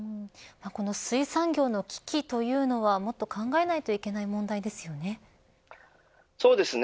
水産業の危機というのはもっと考えないといけないそうですね